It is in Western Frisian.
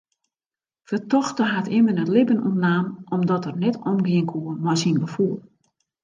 Fertochte hat immen it libben ûntnaam omdat er net omgean koe mei syn gefoel.